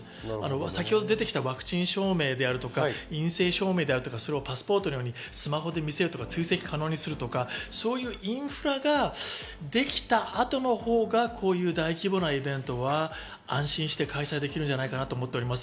先ほど出てきたワクチン証明とか陰性証明とか、パスポートのようにスマホで見せるとか追跡可能にするとか、そういうインフラができた後のほうがこういう大規模なイベントは安心して開催できるんじゃないかなと思ってます。